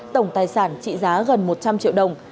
tổng tài sản trị giá gần một trăm linh triệu đồng